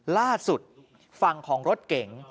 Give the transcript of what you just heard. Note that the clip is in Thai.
ล่าสุดฝั่งของรถเก๋ง